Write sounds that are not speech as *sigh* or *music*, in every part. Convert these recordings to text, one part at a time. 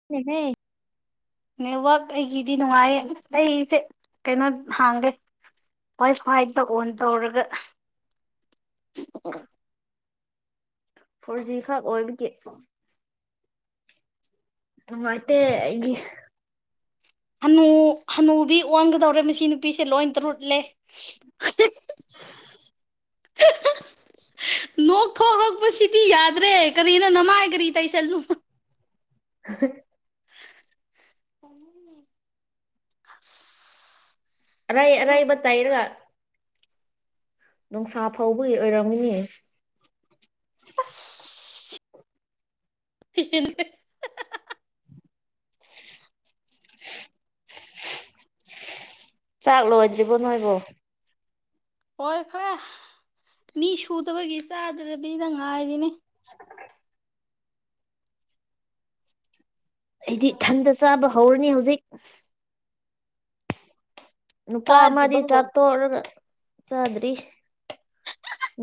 *inaudible* network ꯑꯩꯒꯤꯗꯤ ꯅꯨꯡꯉꯥꯏꯌꯦ ꯑ ꯑꯩꯁꯦ ꯀꯩꯅꯣ ꯍꯥꯡꯒꯦ ꯍ꯭ꯋꯥꯏ ꯈ꯭ꯋꯥꯏ ꯇ ꯑꯣꯟ ꯇꯧꯔꯒ ꯐꯣꯔ ꯖꯤ ꯈꯛ ꯑꯣꯏꯕꯒꯤ ꯅꯨꯡꯉꯥꯏꯇꯦ ꯑꯩꯗꯤ ꯍꯥꯅꯨ ꯍꯅꯨꯕꯤ ꯑꯣꯡꯒꯗꯧꯔꯦ ꯃꯁꯤ ꯅꯨꯄꯤꯁꯦ ꯂꯣꯏ ꯇꯔꯨꯠꯂꯦ *inaudible* ꯍ *unintelligible* ꯅꯣꯛ ꯈꯔꯣꯛꯄꯁꯤꯗꯤ ꯌꯥꯗ꯭ꯔꯦ ꯀꯔꯤꯅ ꯅꯃꯥꯏ ꯀꯔꯤ ꯇꯥꯏꯁꯜꯅꯨ ꯍ ꯍ ꯑꯔꯥꯏ ꯑꯔꯥꯏꯕ ꯇꯥꯏꯔꯒ ꯅꯨꯡꯁꯥ ꯐꯥꯎꯕꯒꯤ ꯑꯣꯏꯔꯝꯒꯅꯤ *inaudible* *inaudible* ꯆꯥꯛ ꯂꯣꯏꯗ꯭ꯔꯤꯕꯣ ꯅꯣꯏꯕꯣ ꯂꯧꯏꯈꯔꯦ ꯃꯤ ꯁꯨꯗꯕꯒꯤ ꯆꯥꯗꯕꯤꯗ ꯉꯥꯏꯔꯤꯅꯤ *inaudible* ꯑꯩꯗꯤ ꯊꯟꯗ ꯆꯥꯕ ꯍꯧꯔꯅꯤ ꯍꯧꯖꯤꯛ ꯅꯨꯄꯥ ꯑꯃꯗꯤ ꯇꯥꯗ꯭ꯔꯤꯕꯣ ꯆꯥ ꯇꯣꯛꯔꯒ ꯆꯥꯗ꯭ꯔꯤ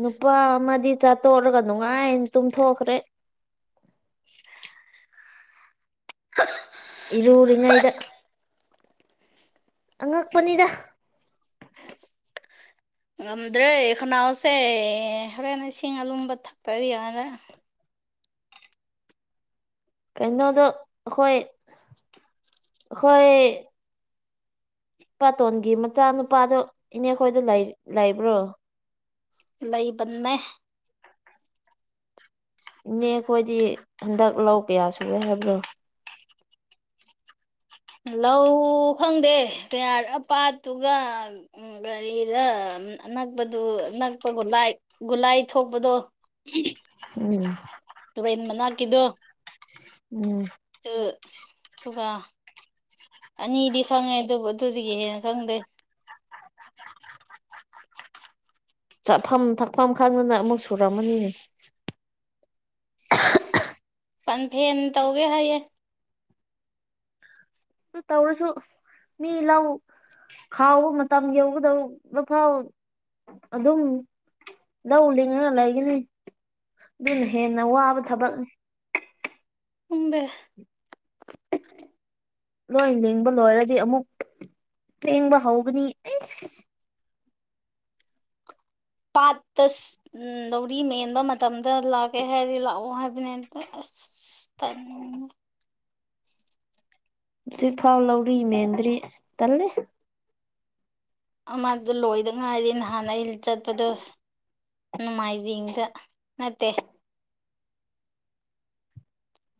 ꯅꯨꯄꯥ ꯑꯃꯗꯤ ꯆꯥꯛ ꯇꯣꯛꯂꯒ ꯅꯨꯡꯉꯥꯏꯅ ꯇꯨꯝꯊꯣꯛꯈ꯭ꯔꯦ ꯀ ꯏꯔꯨꯔꯤꯉꯩꯗ ꯑꯉꯛꯄꯅꯤꯗ ꯉꯝꯗ꯭ꯔꯦ ꯈꯅꯥꯎꯁꯦ ꯍꯣꯔꯦꯟ ꯏꯁꯤꯡ ꯑꯨꯂꯨꯝꯕ ꯊꯛꯇꯗꯤ ꯌꯥꯌꯔꯣꯏ ꯀꯩꯅꯣꯗꯣ ꯑꯩꯈꯣꯏ ꯑꯩꯈꯣꯏ ꯄꯥꯇꯣꯟꯒꯤ ꯃꯆꯥ ꯅꯨꯨꯄꯥꯗꯣ ꯏꯅꯦ ꯈꯣꯏꯗ ꯂꯩꯕ꯭ꯔꯣ ꯂꯩꯕꯅꯦ ꯏꯅꯦ ꯑꯩꯈꯣꯏꯗꯤ ꯍꯟꯗꯛ ꯂꯧ ꯀꯌꯥ ꯁꯨꯏꯦ ꯍꯥꯏꯕ꯭ꯔꯣ ꯂꯧ ꯈꯪꯗꯦ ꯀꯌꯥ ꯑ ꯄꯠꯇꯨꯒ ꯎꯝ ꯒꯥꯔꯤꯗ ꯑꯅꯛꯄꯗꯨ ꯅꯛꯄ ꯒꯨꯂꯥꯏ ꯒꯨꯂꯥꯏ ꯊꯣꯛꯄꯗꯣ ꯎꯝ *unintelligible* ꯎꯝ ꯔꯦꯜꯠ ꯃꯅꯥꯀꯤꯗꯣ ꯎꯝ ꯑꯗꯨ ꯑꯗꯨꯒ ꯑꯅꯤꯗꯤ ꯈꯪꯉꯦ ꯑꯗꯨꯕꯨ ꯑꯗꯨꯁꯤꯒꯤ ꯍꯦꯟꯅ ꯈꯪꯗꯦ ꯆꯥꯐꯝ ꯊꯛꯐꯝ ꯈꯪꯗꯅ ꯑꯃꯨꯛ ꯁꯨꯔꯝꯃꯅꯤꯅꯦ ꯄꯟꯊꯦꯝ ꯇꯧꯒꯦ ꯍꯥꯏꯌꯦ ꯇꯧꯔꯁꯨꯁ ꯃꯤ ꯂꯧ ꯈꯥꯎꯕ ꯃꯇꯝ ꯌꯧꯒꯗꯧ ꯃ ꯐꯥꯎ ꯑꯗꯨꯝ ꯂꯧ ꯂꯤꯡꯂꯒ ꯂꯩꯒꯅꯤ ꯑꯗꯨ ꯍꯦ ꯅ ꯋꯥꯕ ꯊꯕꯛꯅꯤ ꯎꯝꯕꯦ ꯂꯣꯏ ꯂꯤꯡꯕ ꯂꯣꯏꯔꯗꯤ ꯑꯃꯨꯛ ꯂꯤꯡꯕ ꯍꯧꯒꯅꯤ ꯑꯩꯁ ꯄꯥꯠꯇꯁ ꯎꯝ ꯂꯧꯔꯤ ꯃꯦꯟꯕ ꯃꯇꯝꯗ ꯂꯥꯛꯀꯦ ꯍꯥꯏꯔꯗꯤ ꯂꯥꯛꯑꯣ ꯍꯥꯏꯕꯅꯤ ꯑꯁ ꯇꯜ ꯖꯤꯛꯐꯥꯎ ꯂꯧꯔꯤ ꯃꯦꯟꯗ꯭ꯔꯤ ꯇꯜꯂꯦ ꯑꯃꯗꯣ ꯂꯣꯏꯗ ꯉꯏꯔꯤ ꯅꯍꯥꯟ ꯑꯩ ꯆꯠꯄꯗꯣ ꯅꯣꯡꯃꯥꯏꯖꯤꯡꯗ ꯅꯠꯇꯦ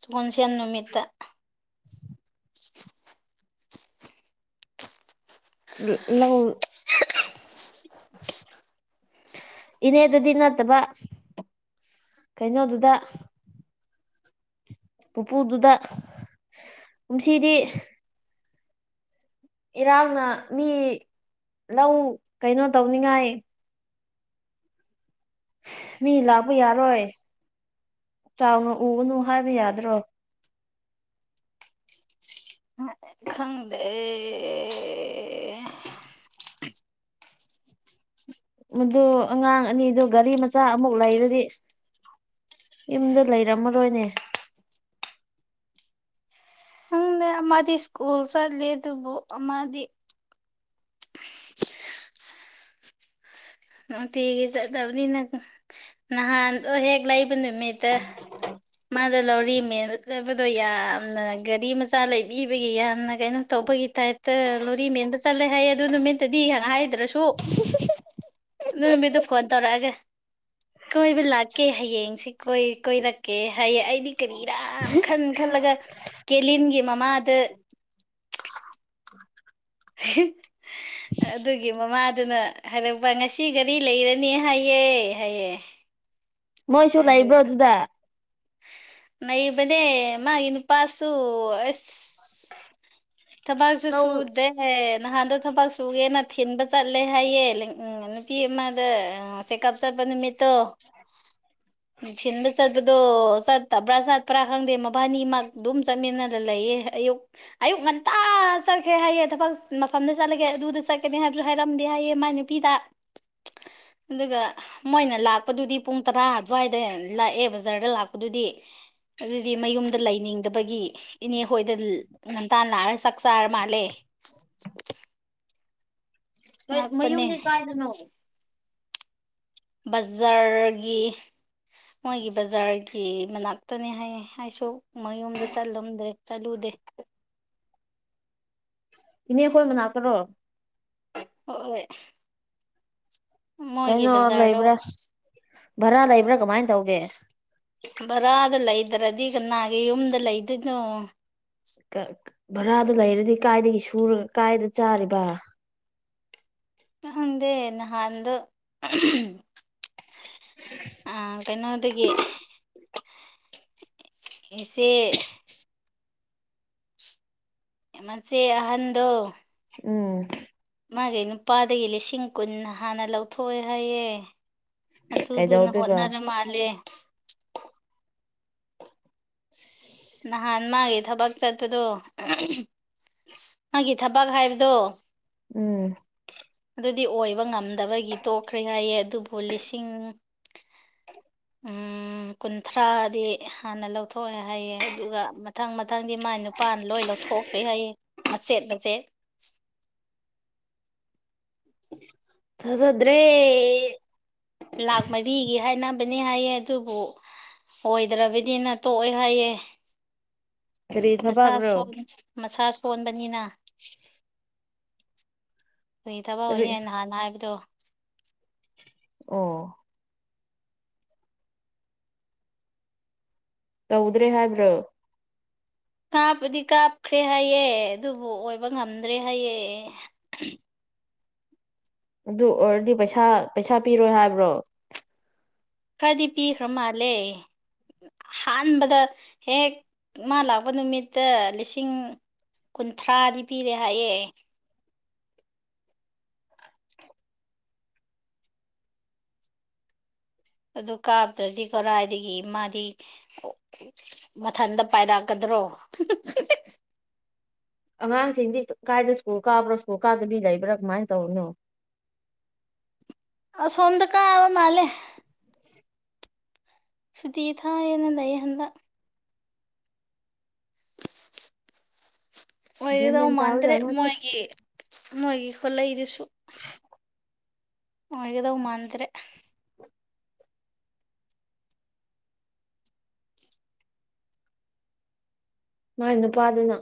ꯁꯥꯒꯣꯟꯁꯦꯟ ꯅꯨꯃꯤꯠꯇ ꯅꯪ ꯏꯅꯦ ꯗꯗꯤ ꯅꯠꯇꯕ ꯀꯩꯅꯣꯗꯨꯗ ꯄꯨꯄꯨꯗꯨꯗ ꯀꯨꯝꯁꯤꯗꯤ ꯏꯔꯥꯡꯅ ꯃꯤ ꯂꯧ ꯀꯩꯅꯣ ꯇꯧꯅꯤꯡꯉꯥꯏ ꯃꯤ ꯂꯥꯛꯄ ꯌꯥꯔꯣꯏ ꯆꯥꯎꯅ ꯎꯒꯅꯨ ꯍꯥꯏꯕ ꯌꯥꯗ꯭ꯔꯣ ꯈꯪꯗꯦ ꯑꯦ ꯃꯗꯨ ꯑꯉꯥꯡ ꯑꯅꯤꯗꯨ ꯒꯥꯔꯤ ꯃꯆꯥ ꯑꯃꯨꯛ ꯂꯩꯔꯗꯤ ꯌꯨꯝꯗ ꯂꯩꯔꯝꯃꯔꯣꯏꯅꯦ ꯈꯪꯗꯦ ꯑꯃꯗꯤ ꯁ꯭ꯀꯨꯜ ꯆꯠꯂꯤ ꯑꯗꯨꯕꯨ ꯑꯃꯗꯤ ꯅꯨꯡꯇꯤꯒꯤ ꯆꯠꯅꯕꯅꯤꯅ ꯅꯍꯥꯟꯗꯣ ꯍꯦꯛ ꯂꯩꯕ ꯅꯨꯃꯤꯠꯇ ꯃꯥꯗ ꯂꯧꯔꯤ ꯃ ꯎꯠꯅꯕꯗꯣ ꯌꯥꯝꯅ ꯒꯥꯔꯤ ꯃꯆꯥ ꯂꯩꯕꯤꯕꯒꯤ ꯌꯥꯝꯅ ꯀꯩꯅꯣ ꯇꯧꯕꯒꯤ ꯇꯥꯏꯄꯇ ꯂꯣꯔꯤ ꯃꯦꯟꯕ ꯆꯠꯂꯦ ꯍꯥꯏꯌꯦ ꯑꯗꯨ ꯅꯨꯃꯤꯠꯇꯗꯤ ꯍꯥꯟꯅ ꯍꯥꯏꯗ꯭ꯔꯁꯨ ꯅꯃꯤꯗꯨ ꯐꯣꯟ ꯇꯧꯔꯑꯒ ꯀꯣꯏꯕ ꯂꯥꯛꯀꯦ ꯍꯌꯦꯡꯁꯤ ꯀꯣꯏ ꯀꯣꯏꯔꯛꯀꯦ ꯑꯩꯗꯤ ꯀꯔꯤꯔꯥ ꯈꯟ ꯈꯜꯂꯒ ꯀꯦꯂꯤꯟꯒꯤ ꯃꯃꯥꯗ ꯍ *unintelligible* ꯑꯗꯨꯒꯤ ꯃꯃꯥꯗꯨꯅ ꯍꯥꯏꯔꯛꯄ ꯉꯁꯤ ꯒꯗꯤ ꯂꯩꯔꯅꯤ ꯍꯥꯏꯌꯦ ꯍꯥꯏꯌꯦ ꯃꯣꯏꯁꯨ ꯑꯗꯨ ꯂꯩꯕ꯭ꯔꯣ ꯑꯗꯨꯗ ꯂꯩꯕꯅꯦ ꯃꯥꯒꯤ ꯅꯨꯄꯥꯁꯨ ꯑꯁ ꯊꯕꯛꯁꯨ ꯂꯧ ꯁꯨꯗ꯭ꯔꯦ ꯅꯍꯥꯟꯗ ꯊꯕꯛ ꯁꯨꯒꯦꯅ ꯊꯤꯟꯕ ꯆꯠꯂꯦ ꯍꯥꯏꯌꯦ ꯎꯝ ꯅꯨꯄꯤ ꯑꯃꯗ ꯆꯦꯛꯀꯞ ꯆꯠꯄ ꯅꯨꯃꯤꯠꯇꯣ ꯊꯤꯟꯕ ꯆꯠꯄꯗꯣ ꯑꯣ ꯆꯠꯇꯕ꯭ꯔꯥ ꯆꯠꯄ꯭ꯔꯥ ꯈꯪꯗꯦ ꯃꯕꯥꯅꯤꯃꯛ ꯑꯗꯨꯝ ꯆꯠꯃꯤꯟꯅꯔꯒꯥ ꯂꯩꯌꯦ ꯑꯌꯨꯛ ꯑꯌꯨꯛ ꯉꯟꯇꯥ ꯆꯠꯈ꯭ꯔꯦ ꯍꯥꯏꯌꯦ ꯊꯕꯛ ꯃꯐꯝꯗ ꯆꯠꯂꯒꯦ ꯑꯗꯨꯗ ꯆꯠꯀꯅꯤ ꯍꯥꯏꯕꯁꯨ ꯍꯥꯏꯔꯝꯗꯦ ꯍꯥꯏꯌꯦ ꯃꯥꯏ ꯅꯨꯄꯤꯗ *inaudible* *unintelligible* ꯑꯗꯨꯒ ꯃꯣꯏꯅ ꯂꯥꯛꯄꯗꯨꯗꯤ ꯄꯨꯡ ꯇꯔꯥ ꯑꯗꯨꯋꯥꯏꯗ ꯂꯥꯛꯑꯦ ꯕꯖꯥꯔꯗ ꯂꯥꯛꯄ ꯑꯗꯨꯗꯤ ꯑꯗꯨꯗꯤ ꯃꯌꯨꯝꯗ ꯂꯩꯅꯤꯡꯗꯕꯒꯤ ꯏꯅꯦ ꯍꯣꯏꯗ ꯉꯟꯇꯥꯅꯥ ꯂꯥꯛꯔꯒ ꯆꯥꯛ ꯆꯥꯔ ꯃꯥꯜꯂꯦ ꯉꯛꯄꯅꯦ ꯃꯌꯨꯝꯗꯤ ꯀꯥꯏꯗꯅꯣ ꯕꯖꯥꯔꯒꯤ ꯃꯣꯏꯒꯤ ꯕꯖꯥꯔꯒꯤ ꯃꯅꯥꯛꯇꯅꯦ ꯍꯥꯏꯌꯦ ꯍꯥꯏꯁꯨ ꯃꯌꯨꯝꯗꯣ ꯆꯠꯂꯝꯗꯦ ꯆꯠꯂꯨꯗꯦ ꯏꯅꯦ ꯈꯣꯏ ꯃꯅꯥꯛꯇꯔꯣ ꯍꯣꯏ ꯍꯣꯏ ꯃꯣꯏꯒꯤ ꯀꯩꯅꯣ ꯕꯖꯥꯔꯗꯣ ꯂꯩꯕ꯭ꯔꯥ ꯚꯔꯥ ꯂꯩꯕ꯭ꯔꯥ ꯀꯃꯥꯏꯅ ꯇꯧꯒꯦ ꯚꯔꯥꯗ ꯂꯩꯇꯔꯗꯤ ꯀꯅꯥꯒꯤ ꯌꯨꯝꯗ ꯂꯩꯗꯣꯏꯅꯣ ꯚꯔꯥꯗ ꯂꯩꯔꯗꯤ ꯀꯥꯏꯗꯒꯤ ꯁꯨꯔꯒ ꯀꯥꯏꯗꯒꯤ ꯆꯥꯔꯤꯕ ꯈꯪꯗꯦ ꯅꯍꯥꯟꯗꯣ ꯎꯝ ꯀꯩꯅꯣꯗꯒꯤ ꯏꯆꯦ ꯃꯆꯦ ꯑꯍꯟꯗꯣ ꯎꯝ ꯃꯥꯒꯤ ꯅꯨꯄꯥꯗꯒꯤ ꯂꯤꯁꯤꯡ ꯀꯨꯟ ꯍꯥꯟꯅ ꯂꯧꯊꯣꯛꯑꯦ ꯍꯥꯏꯌꯦ ꯑꯗꯨꯗꯨꯅ ꯀꯩꯗꯧꯗꯣꯏꯕ ꯍꯣꯠꯅꯔ ꯃꯥꯜꯂꯦ *inaudible* *unintelligible* ꯅꯍꯥꯟ ꯃꯥꯒꯤ ꯊꯕꯛ ꯆꯠꯄꯗꯣ ꯃꯥꯒꯤ ꯊꯕꯛ ꯍꯥꯏꯕꯗꯣ ꯎꯝ ꯑꯗꯨꯗꯤ ꯑꯣꯏꯕ ꯉꯝꯗꯕꯒꯤ ꯇꯣꯛꯈ꯭ꯔꯦ ꯍꯥꯏꯌꯦ ꯑꯗꯨꯕꯨ ꯂꯤꯁꯤꯡ ꯀꯨꯟꯊ꯭ꯔꯥꯗꯤ ꯍꯥꯟꯅ ꯂꯧꯊꯣꯛꯑꯦ ꯍꯥꯏꯌꯦ ꯑꯗꯨꯒ ꯃꯊꯪ ꯃꯊꯪꯗꯤ ꯃꯥꯏ ꯅꯨꯄꯥꯅ ꯂꯣꯏ ꯂꯧꯊꯣꯛꯈ꯭ꯔꯦ ꯍꯥꯏꯌꯦ ꯃꯆꯦꯠ ꯃꯆꯦꯠ ꯊꯖꯥꯗ꯭ꯔꯦ ꯂꯥꯛ ꯃꯔꯤꯒꯤ ꯍꯥꯏꯅꯕꯅꯦ ꯍꯥꯏꯌꯦ ꯑꯗꯨꯕꯨ ꯑꯣꯏꯗ꯭ꯔꯕꯅꯤꯅ ꯇꯣꯛꯑ ꯍꯥꯏꯌꯦ ꯀꯔꯤ ꯃꯁꯥ ꯊꯕꯛꯔꯣ ꯁꯣꯟ ꯃꯁꯥ ꯁꯣꯟꯕꯅꯤꯅ *unintelligible* ꯀ꯭ꯔꯤ ꯊꯕꯛ ꯀꯔꯤ ꯑꯣꯏꯅꯤꯌꯦ ꯅꯍꯥꯟ ꯍꯥꯏꯕꯗꯣ ꯑꯣ ꯇꯧꯗ꯭ꯔꯦ ꯍꯥꯏꯕ꯭ꯔꯣ ꯀꯥꯞꯄꯨꯗꯤ ꯀꯥꯞꯈ꯭ꯔꯦ ꯍꯥꯏꯌꯦ ꯑꯗꯨꯕꯨ ꯑꯣꯏꯕ ꯉꯝꯗ꯭ꯔꯦ ꯍꯥꯏꯑꯦ ꯑꯗꯨ ꯑꯣꯏꯔꯗꯤ ꯄꯩꯁꯥ ꯄꯩꯁꯥ ꯄꯤꯔꯣꯏ ꯍꯥꯏꯕ꯭ꯔꯣ ꯈꯔꯥꯗꯤ ꯄꯤꯈ꯭ꯔꯥ ꯃꯥꯜꯂꯦ ꯑꯍꯥꯟꯕꯗ ꯍꯦꯛ ꯃꯥ ꯂꯥꯛꯄ ꯅꯨꯃꯤꯠꯇ ꯂꯤꯁꯤꯡ ꯀꯨꯟꯊ꯭ꯔꯥꯗꯤ ꯄꯤꯔꯦ ꯍꯥꯏꯌꯦ ꯑꯗꯨ ꯀꯥꯞꯇ꯭ꯔꯗꯤ ꯀꯔꯥꯏꯗꯒꯤ ꯃꯥꯗꯤ ꯃꯊꯟꯇ ꯄꯥꯏꯔꯛꯀꯗ꯭ꯔꯣ ꯑꯉꯥꯡꯁꯤꯡꯗꯤ ꯀꯥꯏꯗ ꯁ꯭ꯀꯨꯜ ꯀꯥꯕ꯭ꯔꯣ ꯁ꯭ꯀꯨꯜ ꯀꯥꯗꯕꯤ ꯂꯩꯕ꯭ꯔꯥ ꯀꯃꯥꯏꯅ ꯇꯧꯔꯤꯅꯣ ꯑꯁꯣꯝꯗ ꯀꯥꯕ ꯃꯥꯜꯂꯦ ꯁꯨꯇꯤ ꯊꯥꯏꯌꯦꯅ ꯂꯩꯌꯦ ꯍꯟꯗꯛ ꯒ꯭ꯌꯥꯟ ꯑꯣꯏꯒꯗꯧ ꯃꯦꯟ ꯃꯥꯟꯗ꯭ꯔꯦ ꯇꯥꯕꯖꯥꯠ ꯅꯠꯇꯦ ꯃꯣꯏꯒꯤ ꯃꯣꯏꯒꯤ ꯈꯨꯜꯂꯩꯗꯨꯁꯨ ꯑꯣꯏꯒꯗꯧ ꯃꯥꯟꯗ꯭ꯔꯦ ꯃꯥꯏ ꯅꯨꯄꯥꯗꯨꯅ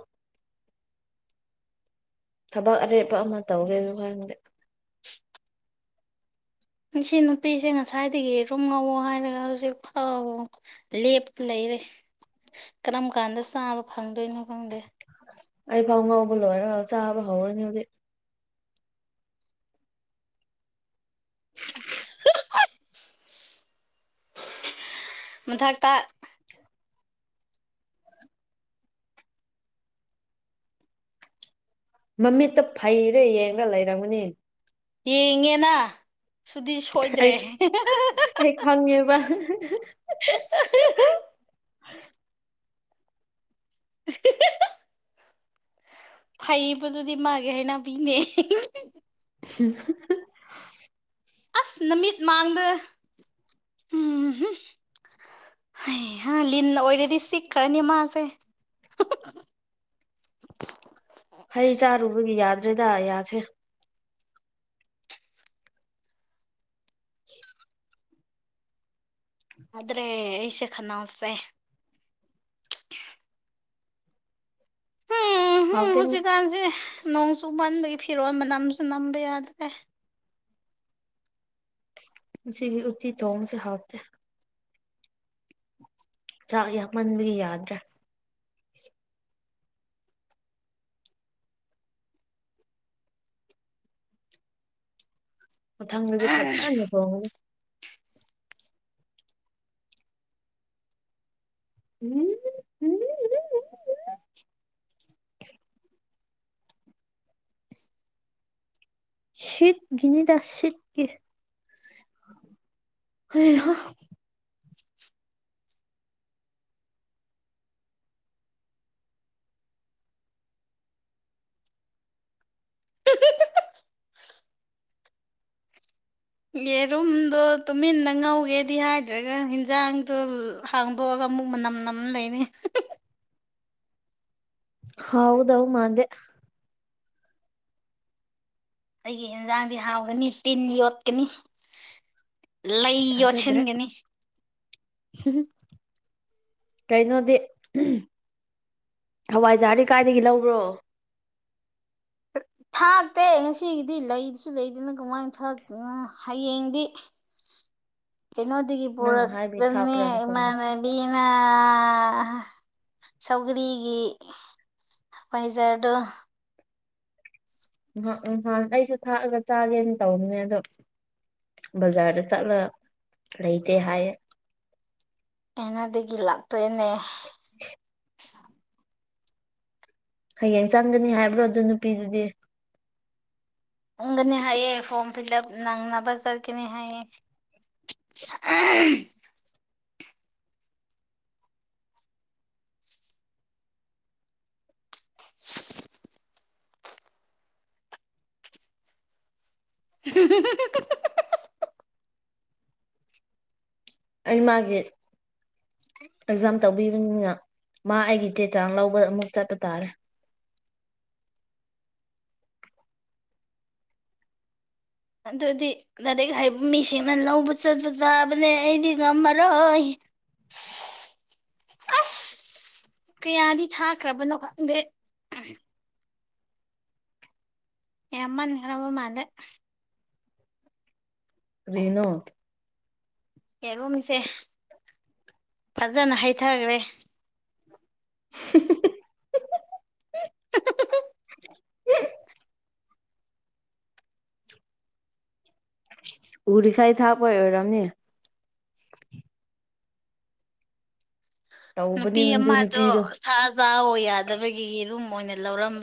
ꯊꯕꯛ ꯑꯔꯦꯞꯄ ꯑꯃ ꯇꯧꯒꯦꯁꯨ ꯈꯟꯗꯦ ꯎꯝ ꯁꯤ ꯅꯨꯄꯤꯁꯦ ꯉꯁꯥꯏꯗꯒꯤ ꯌꯦꯔꯨꯝ ꯉꯧꯑꯣ ꯍꯥꯏꯔꯒ ꯍꯧꯖꯤꯛ ꯐꯥꯎ ꯂꯦꯞꯄ ꯂꯩꯔꯦ ꯀꯔꯝ ꯀꯥꯟꯗ ꯆꯥꯕ ꯐꯪꯗꯣꯏꯅꯣ ꯈꯪꯗꯦ ꯑꯩ ꯐꯥꯎ ꯉꯧꯕ ꯂꯣꯏꯔꯒ ꯆꯥꯕ ꯍꯧꯔꯅꯤ ꯍꯧꯖꯤꯛ ꯍ ꯍ ꯃꯊꯛꯇ ꯃꯃꯤꯠꯇ ꯐꯩꯔꯦ ꯌꯦꯡꯒ ꯂꯩꯔꯝꯒꯅꯤ ꯌꯦꯡꯉꯦꯅ ꯁꯨꯗꯤ ꯁꯣꯏꯗ꯭ꯔꯦ ꯑꯩ ꯍꯤ ꯍꯤ ꯍꯥ ꯑꯩ ꯍꯥꯥ ꯈꯪꯉꯦꯕ ꯍꯥ ꯍꯥ ꯑ ꯍ ꯍ ꯍ ꯍꯍ ꯍ ꯐꯩꯕꯗꯨꯗꯤ ꯃꯥꯒꯦ ꯍꯥꯏꯅꯕꯤꯅꯦ ꯍꯤ ꯍ ꯍ ꯎꯍꯨꯝ ꯍ ꯑꯁ ꯅꯃꯤꯠ ꯃꯥꯡꯗ ꯍꯨꯝ ꯍꯨꯝ ꯍꯩ ꯍꯥ ꯂꯤꯟꯅ ꯑꯣꯏꯔꯗꯤ ꯆꯤꯛꯈ꯭ꯔꯅꯤ ꯃꯥꯁꯦ ꯍ ꯍ ꯍꯩ ꯆꯥꯔꯨꯕꯒꯤ ꯌꯥꯗ꯭ꯔꯦꯗ ꯌꯥꯁꯦ ꯐꯗ꯭ꯔꯦ ꯑꯩꯁꯦ ꯈꯅꯥꯎꯁꯦ ꯍꯨꯡ ꯍꯨꯝ ꯍꯥꯎꯇꯦ ꯍꯧꯖꯤꯛꯀꯥꯟꯁꯦ ꯅꯣꯡ ꯆꯨꯃꯟꯕꯒꯤ ꯐꯤꯔꯣꯜ ꯃꯅꯝꯁꯨ ꯅꯝꯕ ꯌꯥꯗ꯭ꯔꯦ ꯉꯁꯤꯒꯤ ꯎꯇꯤ ꯊꯣꯡꯕꯁꯦ ꯍꯥꯎꯇꯦ ꯆꯥꯛ ꯌꯥꯛꯃꯟꯕꯒꯤ ꯌꯥꯗ꯭ꯔꯦ ꯃꯊꯪꯗꯗꯤ ꯐꯖꯅ ꯊꯣꯡꯉꯒꯦ ꯎꯝ ꯁꯤꯠ ꯒꯤꯅꯤꯗ ꯁꯤꯠ ꯒꯤ ꯍꯩ ꯍꯥ *unintelligible* ꯌꯦꯔꯨꯝꯗꯣ ꯇꯨꯃꯤꯟꯅ ꯉꯧꯒꯦꯗꯤ ꯍꯥꯏꯗ꯭ꯔꯒ ꯍꯤꯟꯖꯥꯡꯗꯣ ꯍꯥꯡꯗꯣꯛꯑꯒ ꯑꯃꯨꯛ ꯃꯅꯝ ꯅꯝ ꯂꯩꯔꯦ ꯍꯨꯡ ꯍꯨꯡ ꯍ ꯍꯥꯎꯒꯗꯕ ꯃꯥꯟꯗꯦ ꯑꯩꯒꯤ ꯏꯟꯖꯥꯡꯗꯤ ꯍꯥꯎꯒꯅꯤ ꯇꯤꯟ ꯌꯣꯠꯀꯅꯤ ꯂꯩ ꯌꯣꯠꯁꯤꯟꯒꯅꯤ ꯍꯨꯝ ꯍꯨꯝ ꯀꯩꯅꯣꯗꯤ ꯎꯝ ꯍꯋꯥꯏꯖꯥꯔꯗꯤ ꯀꯥꯏꯗꯒꯤ ꯂꯧꯕ꯭ꯔꯣ ꯊꯥꯛꯇꯦ ꯉꯁꯤꯒꯤꯗꯤ ꯂꯩꯁꯨ ꯂꯩꯗꯅ ꯀꯃꯥꯏꯅ ꯊꯥꯛꯇꯣꯏꯅꯣ ꯍꯌꯦꯡꯗꯤ ꯀꯩꯅꯣꯗꯒꯤ ꯅꯪ ꯍꯥꯏꯕꯤ ꯄꯨꯔꯛꯄꯅꯤ ꯊꯥꯛꯄ꯭ꯔꯥꯅ ꯈꯪꯉꯦ ꯏꯃꯥꯅ ꯑꯅ ꯁꯧꯒꯔꯤꯒꯤ ꯄꯩꯖꯥꯗꯨ ꯎꯝ ꯍꯥꯟ ꯑꯩꯁꯨ ꯊꯥꯛꯑꯒ ꯆꯥꯒꯦꯅ ꯇꯧꯕꯅꯦ ꯑꯗꯣ ꯕꯖꯥꯔꯗ ꯆꯠꯂꯒ ꯂꯩꯇꯦ ꯍꯥꯏ ꯑꯩꯅꯗꯒꯤ ꯂꯥꯛꯇꯣꯏꯅꯦ *unintelligible* ꯍꯌꯦꯡ ꯆꯪꯒꯅꯤ ꯍꯥꯏꯕ꯭ꯔꯣ ꯑꯗꯨ ꯅꯨꯄꯤꯗꯨꯗꯤ ꯅꯪꯒꯅꯤ ꯍꯥꯏꯌꯦ ꯐꯣꯝ ꯐꯤꯜꯑꯞ ꯅꯪꯅꯕ ꯆꯠꯀꯅꯤ ꯍꯥꯏꯌꯦꯦ ꯁꯥ ꯑꯝ *unintelligible* ꯑꯩ ꯃꯥꯒꯤ ꯑꯦꯛꯖꯥꯝ ꯇꯧꯕꯤꯕꯅꯤꯅ ꯃꯥ ꯑꯩꯒꯤ ꯆꯦ ꯆꯥꯡ ꯂꯧꯕ ꯑꯃꯨꯛ ꯆꯠꯄ ꯇꯥꯔꯦ ꯑꯗꯨꯗꯤ ꯂꯥꯏꯔꯤꯛ ꯍꯩꯕ ꯃꯤꯁꯤꯡꯅ ꯂꯧꯕ ꯆꯠꯄ ꯇꯥꯕꯅꯦ ꯑꯩꯗꯤ ꯉꯝꯃꯔꯣꯏ ꯑꯁ ꯀꯌꯥꯗꯤ ꯊꯥꯈ꯭ꯔꯕꯅꯣ ꯈꯪꯗꯦ ꯌꯥꯝꯃꯟ ꯈ꯭ꯔꯕ ꯃꯥꯜꯂꯦ ꯀꯔꯤꯅꯣ ꯌꯦꯔꯨꯝꯁꯦ ꯐꯖꯅ ꯍꯩꯊꯈ꯭ꯔꯦ *unintelligible* ꯎꯔꯤꯁꯥꯏ ꯊꯥꯛꯄꯩ ꯑꯣꯏꯔꯝꯅꯤ ꯇꯧꯕꯅꯦ ꯅꯨꯄꯤ ꯑꯗꯨ ꯑꯃꯗꯣ ꯅꯨꯄꯤꯗꯣ ꯁꯥ ꯆꯥꯑꯣ ꯌꯥꯗꯕꯒꯤ ꯌꯦꯔꯨꯝ ꯑꯣꯏꯅ ꯂꯧꯔ